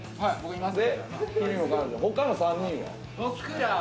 他の３人は？